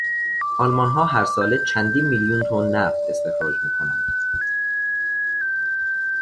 آلمانها هر ساله چندین میلیون تن نفت استخراج میکنند.